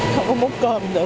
không có múc cơm được